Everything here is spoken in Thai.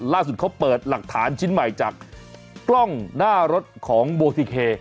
ล่าสุดเขาเปิดหลักฐานชิ้นใหม่จากกล้องหน้ารถของโบซิเค